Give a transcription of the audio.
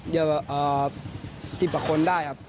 เจ๋ว๑๐หรือคนได้ครับ